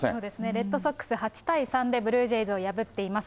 レッドソックス８対３でブルージェイズを破っています。